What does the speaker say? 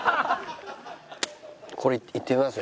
これいってみますよ